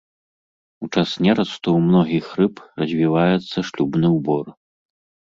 У час нерасту ў многіх рыб развіваецца шлюбны ўбор.